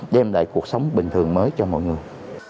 đem lại cuộc sống bình thường mới cho mọi người